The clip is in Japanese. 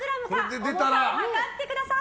重さを量ってください！